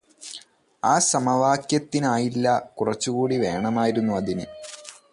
ആ സമവാക്യത്തിനായില്ല കുറച്ചുകൂടി വേണമായിരുന്നു അതിന്